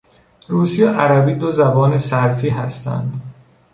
روسی و عربی دو زبان صرفی هستند.